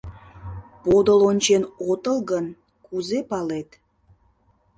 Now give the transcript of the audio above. — Подыл ончен отыл гын, кузе палет?